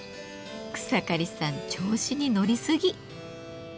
草刈さん調子に乗りすぎ。